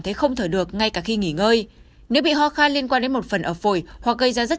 thấy không thở được ngay cả khi nghỉ ngơi nếu bị ho khai liên quan đến một phần ở phổi hoặc gây ra rất